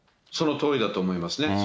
そのとおりだと思いますね。